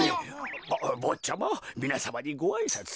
ぼっちゃまみなさまにごあいさつを。